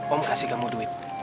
om kasih kamu duit